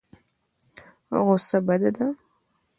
غوسه بده ده.